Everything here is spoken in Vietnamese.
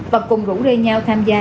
và cùng rũ rê nhau tham gia